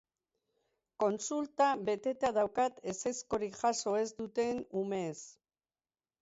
Kontsulta beteta daukat ezezkorik jaso ez duten umeez.